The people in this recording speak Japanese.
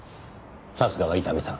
さすがは伊丹さん。